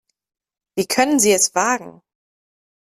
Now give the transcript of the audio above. Wie können Sie es wagen?